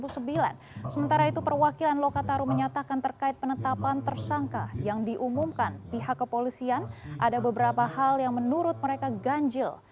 sementara itu perwakilan lokataru menyatakan terkait penetapan tersangka yang diumumkan pihak kepolisian ada beberapa hal yang menurut mereka ganjil